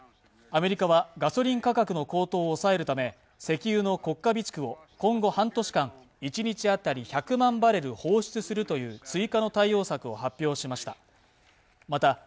アメリカはガソリン価格の高騰を抑えるため石油の国家備蓄を今後半年間１日当たり１００万バレル放出するという追加の対応策を発表しました